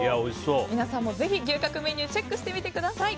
皆さんもぜひ牛角メニューチェックしてみてください。